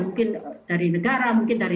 mungkin dari negara mungkin